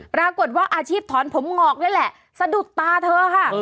ปรากฏว่าอาชีพถอนผมงอกนี่แหละสะดุดตาเธอค่ะ